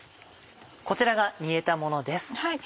こちらが煮えたものです。